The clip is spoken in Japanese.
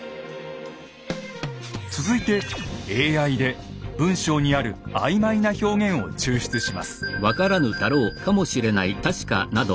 続いてＡＩで文章にある曖昧な表現を抽出します。